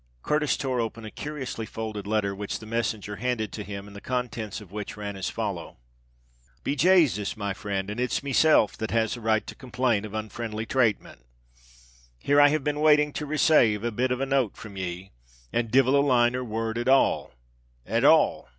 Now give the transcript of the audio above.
Curtis tore open a curiously folded letter which the messenger handed to him, and the contents of which ran as follow:— "Be Jasus, my frind, and it's myself that has a right to complain of unfrindly tratement. Here have I been waiting to resave a bit of a note from ye, and divil a line or a word at all, at all.